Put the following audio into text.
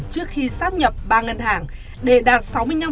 trước khi sắp nhập ba ngân hàng để đạt sáu mươi năm